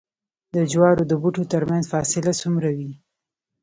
د جوارو د بوټو ترمنځ فاصله څومره وي؟